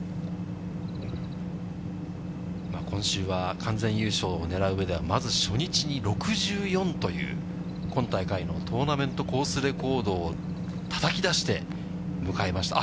今週は完全優勝をねらううえでは、まず初日に６４という、今大会のトーナメントコースレコードをたたき出して迎えました。